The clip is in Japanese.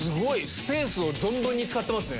スペースを存分に使ってますね。